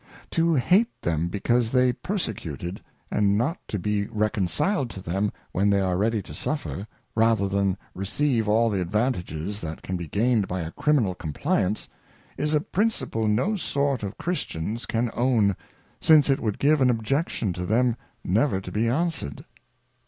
To hate them because they persecuted, and not to be i reconciled to them when they ai'e ready to suffer, rather than i receive all the Advantages that can be gained by a Criminal ; Complyance, is a Principle no sort of Christians can own, since it would give an Objection to them never to be answered.